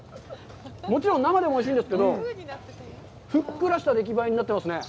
もちろん生でもおいしいんですけど、ふっくらしたできばえになってますね。